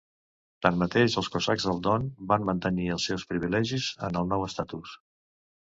Tanmateix els cosacs del Don van mantenir els seus privilegis en el nou estatus.